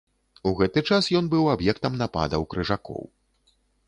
У гэты час ён быў аб'ектам нападаў крыжакоў.